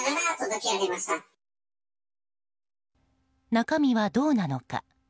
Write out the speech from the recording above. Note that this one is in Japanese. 中身はどうなのか。